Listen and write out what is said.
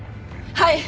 はい。